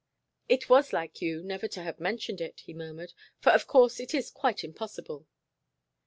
"It was like you never to have mentioned it," he murmured. "For, of course, it is quite impossible."